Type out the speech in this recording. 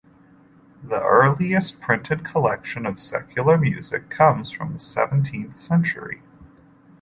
The earliest printed collection of secular music comes from the seventeenth century.